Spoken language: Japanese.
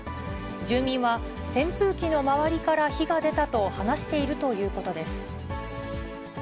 住民は扇風機の周りから火が出たと話しているということです。